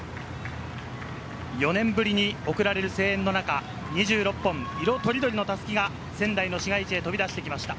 ４年ぶりに送られる声援の中、２６本、色とりどりの襷が仙台の市街地へ飛び出してきました。